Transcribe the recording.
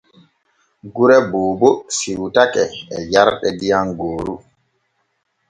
Gure Boobo siwtake e jarɗe diyam gooru.